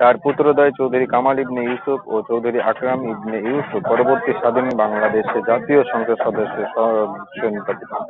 তার পুত্রদ্বয় চৌধুরী কামাল ইবনে ইউসুফ ও চৌধুরী আকমল ইবনে ইউসুফ পরবর্তীকালে স্বাধীন বাংলাদেশের জাতীয় সংসদের সদস্য নির্বাচিত হন।